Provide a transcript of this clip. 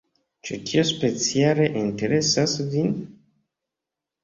Ĉu tio speciale interesas vin?